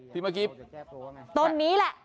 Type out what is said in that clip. เมื่อกี้ต้นนี้แหละ